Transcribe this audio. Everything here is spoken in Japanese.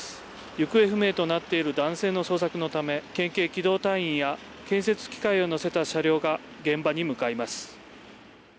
行方不明となっている男性の捜索のため県警機動隊員や建設機械を載せた車両が現場に向かいます。